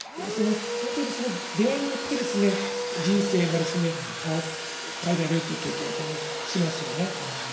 その時その出会いによってですね人生が変えられるという経験を私たちしますよね。